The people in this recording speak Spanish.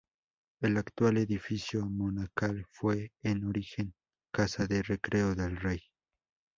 El actual edificio monacal fue en origen casa de recreo del rey.